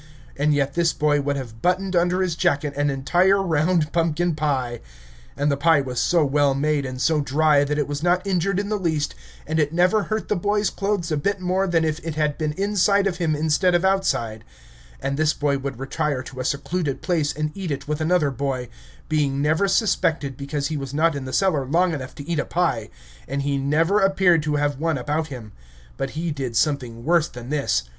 And yet this boy would have buttoned under his jacket an entire round pumpkin pie. And the pie was so well made and so dry that it was not injured in the least, and it never hurt the boy's clothes a bit more than if it had been inside of him instead of outside; and this boy would retire to a secluded place and eat it with another boy, being never suspected because he was not in the cellar long enough to eat a pie, and he never appeared to have one about him. But he did something worse than this.